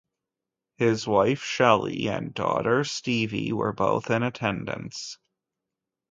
His wife Shelly and daughter Stevey were both in attendance.